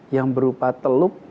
yang berupa teluk